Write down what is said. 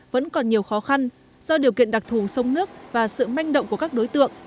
vẫn còn nhiều khó khăn do điều kiện đặc thù sông nước và sự manh động của các đối tượng